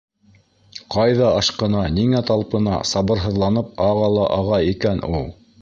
Ҡайҙа ашҡына, ниңә талпына, сабырһыҙланып аға ла аға икән ул?